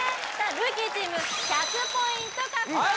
ルーキーチーム１００ポイント獲得です